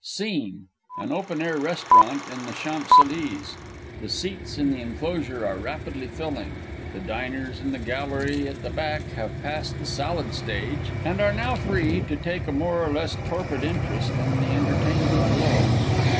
SCENE _An open air restaurant in the Champs Elysées; the seats in the enclosure are rapidly filling; the diners in the gallery at the back have passed the salad stage, and are now free to take a more or less torpid interest in the Entertainment below.